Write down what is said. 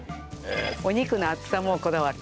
お肉の厚さもこだわる。